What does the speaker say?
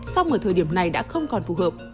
sau mở thời điểm này đã không còn phù hợp